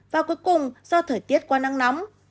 và cuối cùng do thời tiết quá nắng nóng